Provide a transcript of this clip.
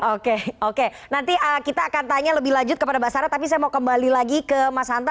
oke oke nanti kita akan tanya lebih lanjut kepada mbak sarah tapi saya mau kembali lagi ke mas hanta